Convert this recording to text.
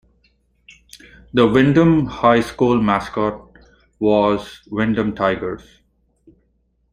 The Windom High School mascot was Windom Tigers.